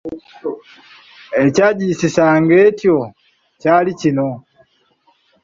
Ekyagiyisisanga etyo kyali kino